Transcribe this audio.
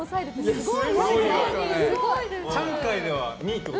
すごい！